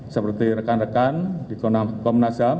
seperti rekan rekan di komnas ham